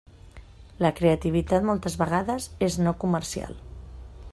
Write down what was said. La creativitat moltes vegades és no comercial.